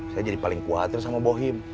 saya jadi paling kuatir sama bohim